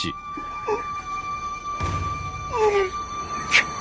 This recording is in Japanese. くっ！